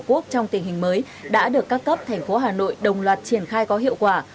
an ninh tổ quốc trong tình hình mới đã được các cấp thành phố hà nội đồng loạt triển khai có hiệu quả